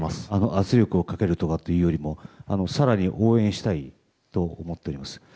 圧力をかけるとかというよりも更に応援したいと思っております。